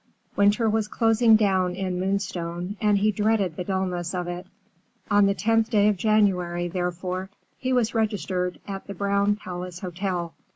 Winter was closing down in Moonstone, and he dreaded the dullness of it. On the 10th day of January, therefore, he was registered at the Brown Palace Hotel.